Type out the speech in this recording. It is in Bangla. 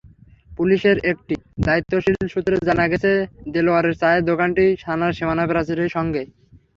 পুলিশের একটি দায়িত্বশীল সূত্রে জানা গেছে, দেলোয়ারের চায়ের দোকানটি থানার সীমানাপ্রাচীরের সঙ্গেই।